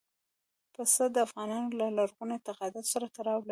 پسه د افغانانو له لرغونو اعتقاداتو سره تړاو لري.